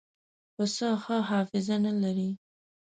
پسه ښه حافظه نه لري.